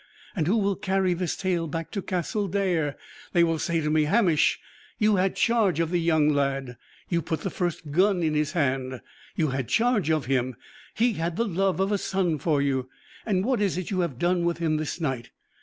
and who will carry this tale back to Castle Dare? They will say to me, 'Hamish, you had charge of the young lad; you put the first gun in his hand; you had charge of him; he had the love of a son for you: what is it you have done with him this night?'